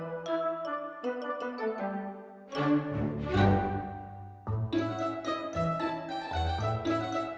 isn't ternyata ketawa tadi yang buka baptu waktu rush d